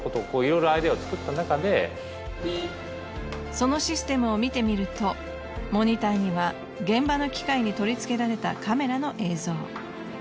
そのシステムを見てみるとモニターには現場の機械に取り付けられたカメラの映像。